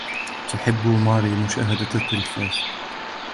تحب ماري مشاهدة التلفاز.